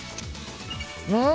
うん！